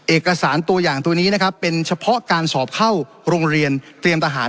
เอกสารตัวอย่างตัวนี้นะครับเป็นเฉพาะการสอบเข้าโรงเรียนเตรียมทหาร